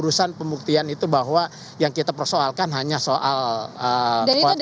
urusan pembuktian itu bahwa yang kita persoalkan hanya soal kekuatan